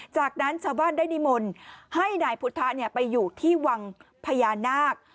จากนั้นชาวบ้านได้นิมนต์ให้นายพุทธะไปอยู่ที่วังพญานาค